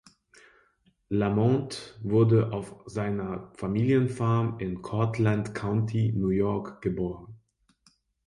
Lamont wurde auf seiner Familienfarm in Cortland County, New York geboren.